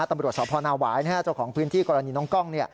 ตำรวจสพนาวายเจ้าของพื้นที่กรณีน้องกล้อง